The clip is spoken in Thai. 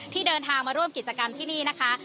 ที่เดินทางมาร่วมกิจกรรมที่นี่นะคะ